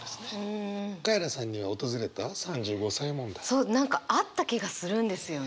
そう何かあった気がするんですよね。